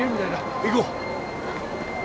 行こう。